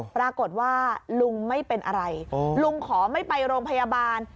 ปรากฏว่าลุงไม่เป็นอะไรลุงขอไม่ไปโรงพยาบาล